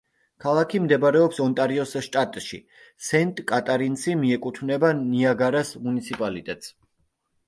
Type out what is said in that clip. ქალაქი მდებარეობს ონტარიოს შტატში, სენტ-კატარინსი მიეკუთვნება ნიაგარას მუნიციპალიტეტს.